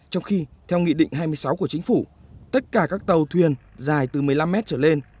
trong khi theo nghị định hai mươi sáu của chính phủ tất cả các tàu thuyền dài từ một mươi năm mét trở lên